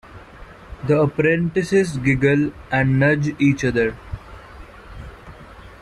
The apprentices giggle, and nudge each other.